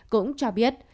cũng cho biết